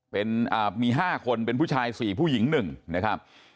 เป็นห้าคนเป็น๔ผู้หญิง๑นะครับ